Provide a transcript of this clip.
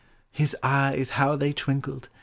His eyes how they twinkled!